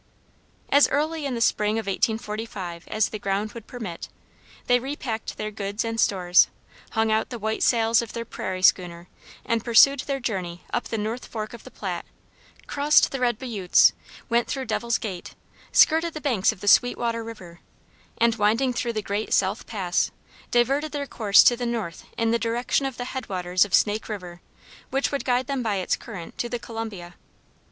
As early in the spring of 1845 as the ground would permit, they re packed their goods and stores, hung out the white sails of their prairie schooner and pursued their journey up the north fork of the Platte, crossed the Red Buttes, went through Devil's Gate, skirted the banks of the Sweet Water River, and winding through the great South Pass, diverted their course to the north in the direction of the head waters of Snake River, which would guide them by its current to the Columbia.